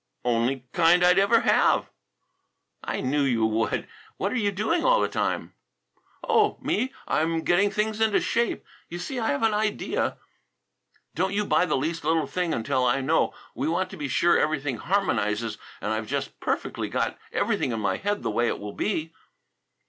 "Only kind I'd ever have." "I knew you would. What are you doing all the time?" "Oh, me? I'm getting things into shape. You see, I have an idea " "Don't you buy the least little thing until I know. We want to be sure everything harmonizes and I've just perfectly got everything in my head the way it will be."